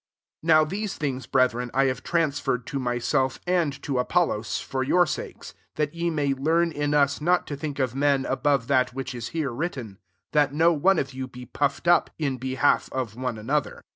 6 NOW these things, breth ren, I have transferred to my self, and to Apollos, for your sakes; that ye may learn in us not to think of men above that which is here written ; that no ^ne of you be puffed up in be half of one another.